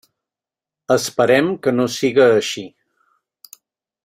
Esperem que no siga així.